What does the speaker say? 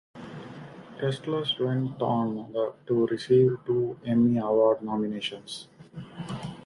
"Restless" went on to receive two Emmy Award nominations.